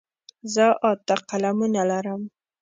زه اته قلمونه لرم.